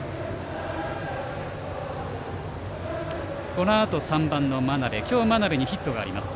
このあと３番の真鍋は今日はヒットがあります。